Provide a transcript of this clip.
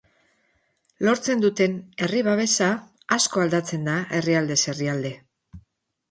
Lortzen duten herri babesa asko aldatzen da herrialdez herrialde.